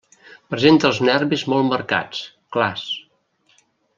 Presenta els nervis molt marcats, clars.